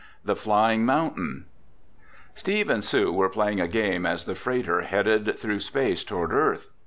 THE FLYING MOUNTAIN Steve and Sue were playing a game as the freighter headed through space toward Earth.